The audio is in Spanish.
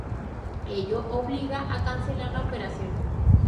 Ello obliga a cancelar la operación.